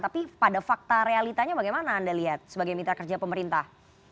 tapi pada fakta realitanya bagaimana anda lihat sebagai mitra kerja pemerintah